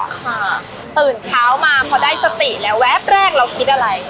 ค่ะตื่นเช้ามาพอได้สติแล้วแวบแรกเราคิดอะไร